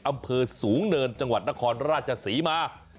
อำเภอสูงเนินจังหวัดนครราชศรีมา